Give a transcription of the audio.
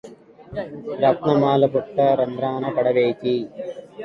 రత్నమాల పుట్ట రంధ్రాన పడవైచి